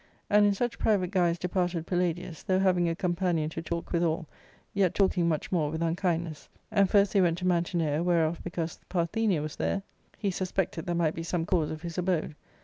And in such private guise departed Palladius, though having a companion to talk withal, yet talking much more with unkindness. And first they went to Mantinea, whereof because Parthenia was there, he ARCADIA.Sook I. ^ 53 suspected there might be some cause of liis abode.